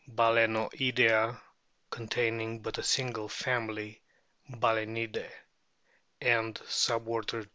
Balaenoidea, con O taining but a single family Balsenidae ; and Sub order II.